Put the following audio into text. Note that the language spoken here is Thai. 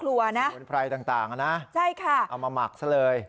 สมุนไพรต่างนะเอามาหมักซะเลย